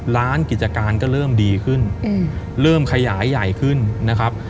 กิจการก็เริ่มดีขึ้นเริ่มขยายใหญ่ขึ้นนะครับ